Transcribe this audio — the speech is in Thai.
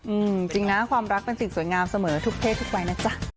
จริงนะความรักเป็นสิ่งสวยงามเสมอทุกเพศทุกวัยนะจ๊ะ